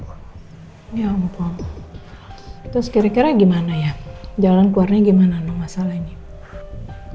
ya ampun terus kira kira gimana ya jalan keluarnya gimana dong masalah ini